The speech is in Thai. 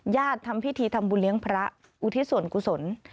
ทำพิธีทำบุญเลี้ยงพระอุทิศส่วนกุศล